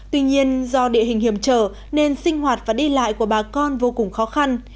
tuy nhiên do địa hình hiểm trở nên sinh hoạt và đi lại của bà con vô cùng khó khăn